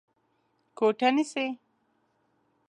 کوټه نيسې؟